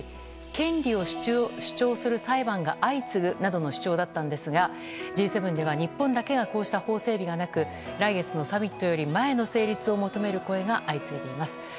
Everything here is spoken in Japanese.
権利を主張する裁判が相次ぐなどの主張だったんですがＧ７では日本だけがこうした法整備がなく来月のサミットより前の成立を求める声が相次いでいます。